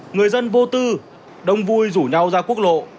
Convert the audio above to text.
người dân vô tư đông vui rủ nhau ra quốc lộ